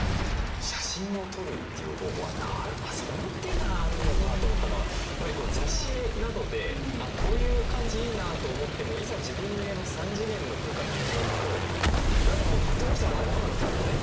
写真を撮るっていう方法はその手があるのかと思ったのはやはりこう雑誌などであっこういう感じいいなと思ってもいざ自分の家の３次元の空間に身を置くと何だかどうしたらいいのか分かんなくなっちゃうんですね。